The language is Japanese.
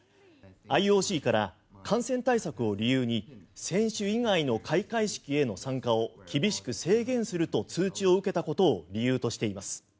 ＩＯＣから感染対策を理由に選手以外の開会式への参加を厳しく制限すると通知を受けたことを理由としています。